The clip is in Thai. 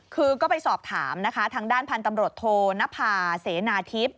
คือก็ไปสอบถามทางด้านภัณฑ์ตำรวจโทนภาเสนาทิศ